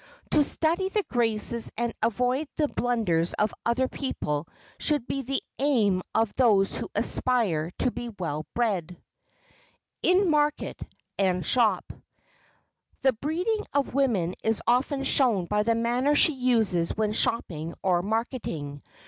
To study the graces and avoid the blunders of other people should be the aim of those who aspire to be well bred. [Sidenote: IN MARKET AND SHOP] The breeding of a woman is often shown by the manner she uses when shopping or marketing.